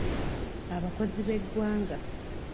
Abakozi b'eggwanga.